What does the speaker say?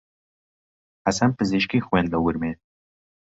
حەسەن پزیشکی خوێند لە ورمێ.